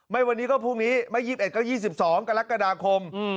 วันนี้ก็พรุ่งนี้ไม่๒๑ก็๒๒กรกฎาคม